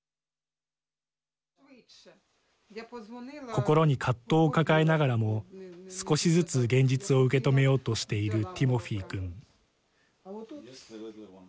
心に葛藤を抱えながらも少しずつ現実を受け止めようとしているティモフィ君。